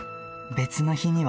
別の日には。